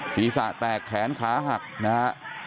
ศีรษะแตกแขนขาหักนะฮะ